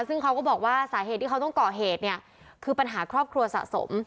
ซึ่งเขาก็บอกว่าสาเหตุที่เขาต้องก่อเหตุเนี่ยคือปัญหาครอบครัวสะสม